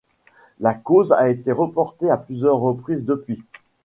La cause a été reportée à plusieurs reprises depuis.